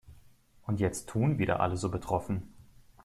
Und jetzt tun wieder alle so betroffen.